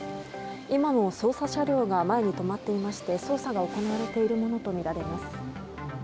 今も捜査車両が前に止まっていまして捜査が行われているものとみられます。